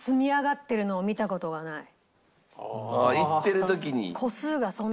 行ってる時に？